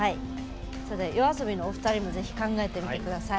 ＹＯＡＳＯＢＩのお二人も是非考えてみて下さい。